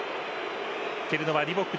蹴るのはリボック。